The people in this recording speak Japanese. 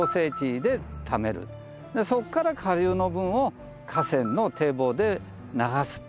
そこから下流の分を河川の堤防で流す。